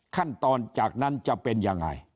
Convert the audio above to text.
ขั้นตอนจากนั้นจะเป็นยังไง